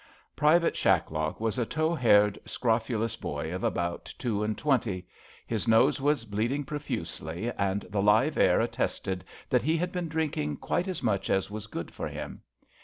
Private Shaddock was a tow haired, scrofulous boy of about two and twenty. His nose was bleed ing profusely, and the live air attested that he had been drinking quite as much as was good for him.